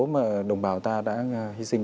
mà đồng bào ta đã hy sinh